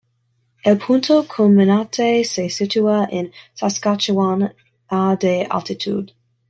El punto culminante se sitúa en Saskatchewan a de altitud.